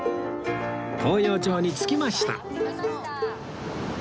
東陽町に着きました